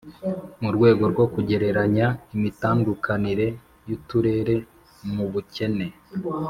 mu rwego rwo kugereranya imitandukanire y'uturere mu bukene,